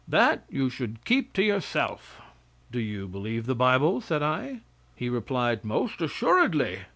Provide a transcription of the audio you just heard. That you should keep to yourself." "Do you believe the bible?" said I. He replied, "Most assuredly."